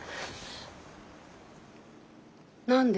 何で？